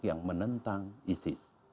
yang menentang isis